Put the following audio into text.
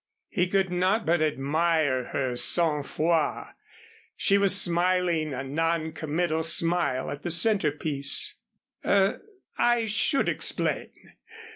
He could not but admire her sang froid. She was smiling a non committal smile at the centerpiece. "Er I should explain.